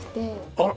あら！